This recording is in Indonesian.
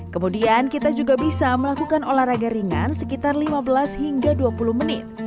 kemudian kita juga bisa melakukan olahraga ringan sekitar lima belas hingga dua puluh menit